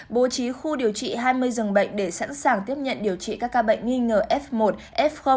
bố trí khu điều trị hai mươi dường bệnh để sẵn sàng tiếp nhận điều trị các ca bệnh nghi ngờ f một f